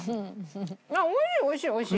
おいしいおいしいおいしい！